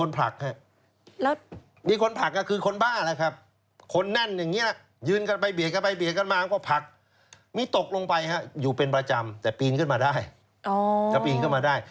ถ้าไฟเบียกันมาก็ผลักมีตกลงไปอยู่เป็นประจำแต่ปีนขึ้นมาได้